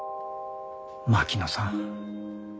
槙野さん。